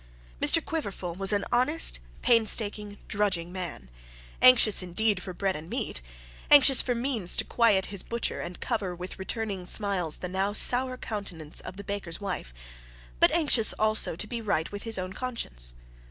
Mr Quiverful was an honest, pain staking, drudging man; anxious, indeed, for bread and meat, anxious for means to quiet his butcher and cover with returning smiles the now sour countenance of the baker's wife, but anxious also to be right with his own conscience.